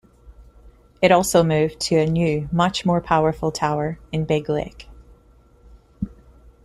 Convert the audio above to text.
It also moved to a new, much more powerful tower in Big Lake.